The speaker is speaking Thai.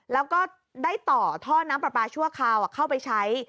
แล้วก็ได้ต่อท่อน้ำปลาปลาชั่วคราวเข้าไปใช้